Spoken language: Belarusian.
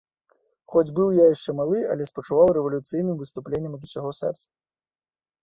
Хоць быў я яшчэ малы, але спачуваў рэвалюцыйным выступленням ад усяго сэрца.